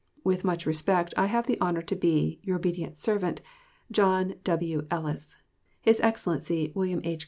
With much respect, I have the honor to be, Your ob't. serv't, JOHN W. ELLIS. His Excellency William H.